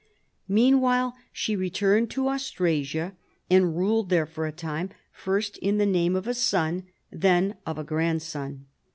Meanwhile she re turned to Austrasia and ruled there for a time, first in the name of a son, then of a grandson.